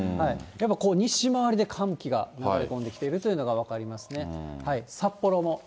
西回りで寒気が流れ込んできてるというのが分かりますね。